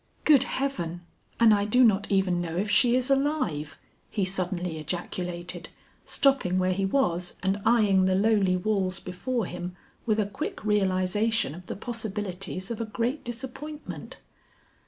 "Good heaven! and I do not even know if she is alive," he suddenly ejaculated, stopping where he was and eying the lowly walls before him with a quick realization of the possibilities of a great disappointment.